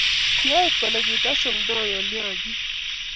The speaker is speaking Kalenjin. kiaip kole kataisuldai ngaliat nyii